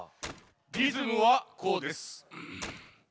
リズムはこうです。